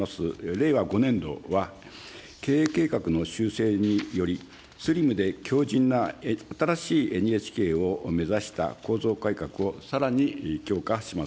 令和５年度は、経営計画の修正により、スリムで強じんな新しいＮＨＫを目指した構造改革をさらに強化します。